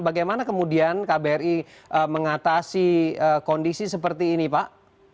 bagaimana kemudian kbri mengatasi kondisi seperti ini pak